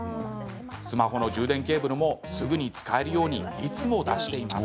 スマホの充電ケーブルもすぐに使えるようにいつも出しています。